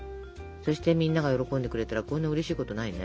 そしてみんなが喜んでくれたらこんなうれしいことないね。